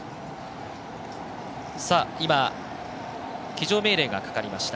今、騎乗命令がかかりました。